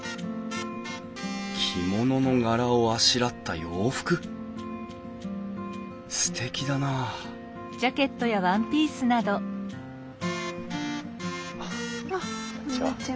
着物の柄をあしらった洋服すてきだなあっこんにちは。